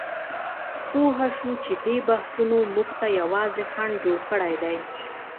پوهه شو چې دې بحثونو موږ ته یوازې خنډ جوړ کړی دی.